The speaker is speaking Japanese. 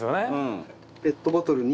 ペットボトルに。